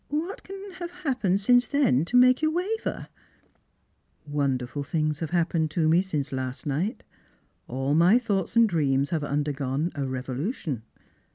What can have happened since then to make you waver?" Strangers and Pilgrimt 153 "Wonderful things have happened to me since last night. All my thoughts and dreams have undergone a revolution.